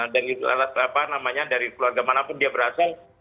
dan dari keluarga manapun dia berasa